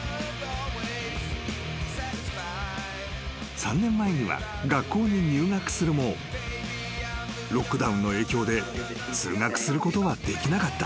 ［３年前には学校に入学するもロックダウンの影響で通学することはできなかった］